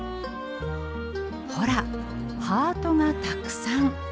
ほらハートがたくさん。